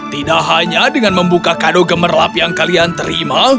tidak hanya dengan membuka kado gemerlap yang kalian terima